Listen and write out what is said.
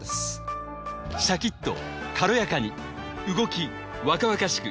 シャキっと軽やかに動き若々しく